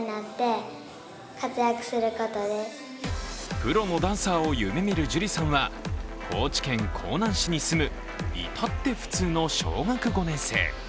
プロのダンサーを夢見る樹李さんは高知県香南市に住む至って普通の小学５年生。